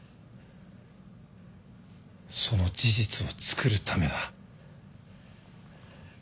その事実をつくるためだ。